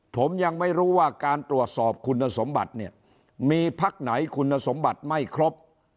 ผมยังไม่รู้ว่าการตรวจสอบคุณสมบัติเนี่ยมีพักไหนคุณสมบัติไม่ครบ